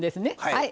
はい。